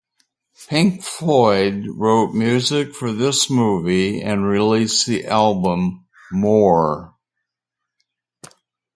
Pink Floyd wrote music for this movie and released the album, "More".